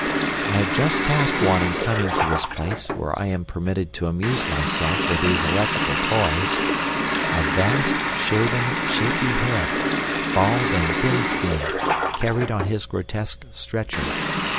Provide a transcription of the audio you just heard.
I have just passed one in coming to this place where I am permitted to amuse myself with these electrical toys, a vast, shaven, shaky head, bald and thin skinned, carried on his grotesque stretcher.